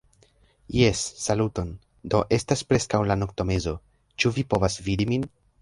Jes, saluton. Do estas preskaŭ la noktomezo. Ĉu vi povas vidi min?